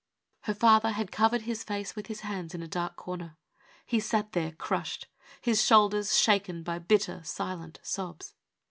" Her father had covered his face with his hands in a dark corner. He sat there, crushed, his shoulders shaken by bitter, silent sobs.